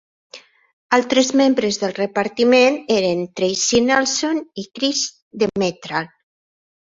Altres membres del repartiment eren Tracy Nelson i Chris Demetral.